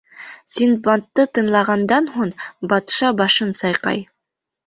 Синдбадты тыңлағандан һуң, батша башын сайҡай: